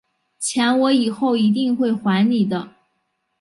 钱我以后一定会还你的